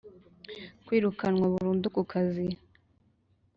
kwirukanwa burundu ku kazi